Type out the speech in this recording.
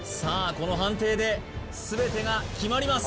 この判定で全てが決まります